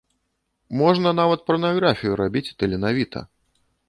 Можна нават парнаграфію рабіць таленавіта.